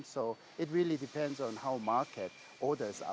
jadi itu tergantung dengan bagaimana pasar membeli mobil axo